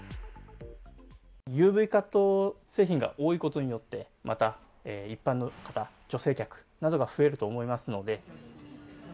ＵＶカット製品が多いことによって、また一般の方、女性客などが増えると思いますので。